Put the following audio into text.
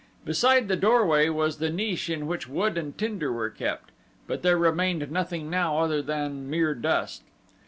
Beside the doorway was the niche in which wood and tinder were kept, but there remained nothing now other than mere dust.